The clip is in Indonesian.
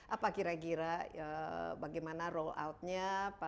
apa kira kira bagaimana roll outnya